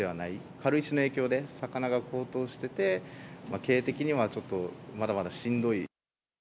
軽石の影響で、魚が高騰してて、経営的にはちょっと、まだまだしんどい。